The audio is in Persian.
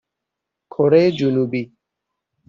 کره جنوبی